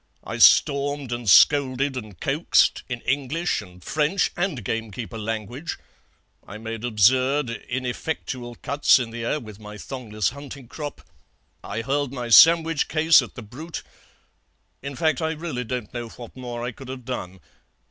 I stormed and scolded and coaxed in English and French and gamekeeper language; I made absurd, ineffectual cuts in the air with my thongless hunting crop; I hurled my sandwich case at the brute; in fact, I really don't know what more I could have done.